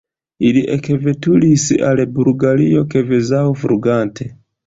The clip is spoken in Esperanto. Ili ekveturis al Bulgario kvazaŭ flugante.